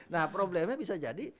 nah problemnya bisa jadi